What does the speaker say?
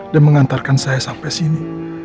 dan mengantarkan saya sampai sini